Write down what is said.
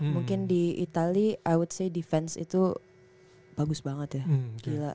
mungkin di itali out say defense itu bagus banget ya